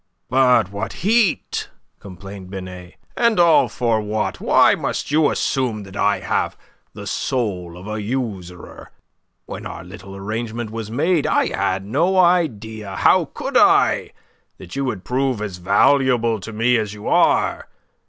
"But what heat!" complained Binet, "and all for what? Why must you assume that I have the soul of a usurer? When our little arrangement was made, I had no idea how could I? that you would prove as valuable to me as you are?